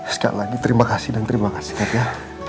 sekali lagi terima kasih dan terima kasih ya